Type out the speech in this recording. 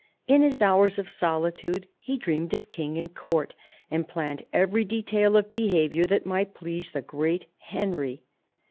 In his hours of solitude he dreamed of King and Court, and planned evejry detail of behaviour that might please the great Henry.